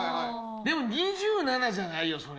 でも２７じゃないよ、それ。